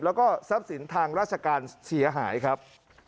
แล้วก็ทรัพย์สินทางราชการเสียหายครับ